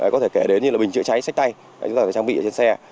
có thể kể đến như là bình chữa cháy sách tay chúng ta phải trang bị trên xe